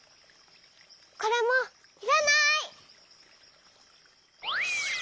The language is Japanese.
これもいらない。